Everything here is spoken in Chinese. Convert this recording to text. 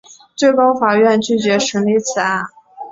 最高法院拒绝审理此案。